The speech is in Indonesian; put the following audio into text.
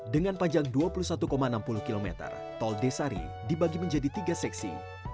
dengan panjang dua puluh satu enam puluh km tol desari dibagi menjadi tiga seksi